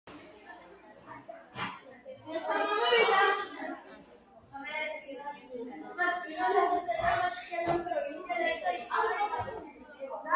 მათ მიმართ ულუ დავითს არავითარი ძალა არ გააჩნდა.